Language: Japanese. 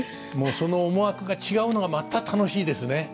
その思惑が違うのがまた楽しいですね。